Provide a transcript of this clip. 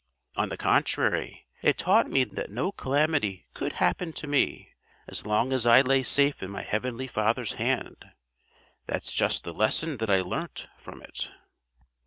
On the contrary, it taught me that no calamity could happen to me as long as I lay safe in my Heavenly Father's Hand. That's just the lesson that I learnt from it."